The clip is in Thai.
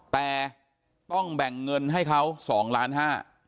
แต่ต้องแบ่งเงินให้เขาสองล้านห้า